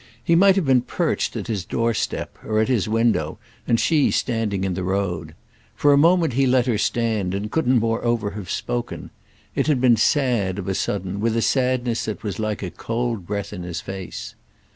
He might have been perched at his door step or at his window and she standing in the road. For a moment he let her stand and couldn't moreover have spoken. It had been sad, of a sudden, with a sadness that was like a cold breath in his face.